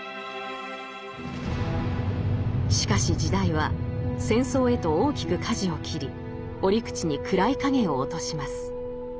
しかし時代は戦争へと大きくかじを切り折口に暗い影を落とします。